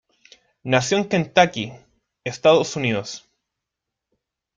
Nació en Kentucky, Estados Unidos.